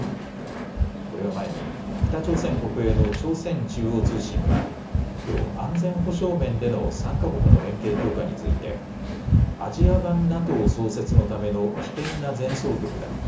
これを前に北朝鮮国営の朝鮮中央通信はきょう安全保障面での３か国の連携強化についてアジア版ＮＡＴＯ創設のための危険な前奏曲だ。